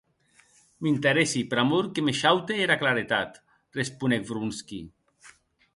M'interèssi pr'amor que me shaute era claretat, responec Vronsky.